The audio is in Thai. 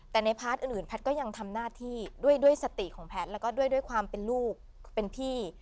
แต่ในพาร์ทอื่นแพทย์ก็ยังทำหน้าที่ด้วยสติของแพทย์แล้วก็ด้วยความเป็นลูกเป็นพี่